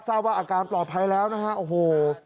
ทราบว่าอาการปลอดภัยแล้วนะฮะโอ้โห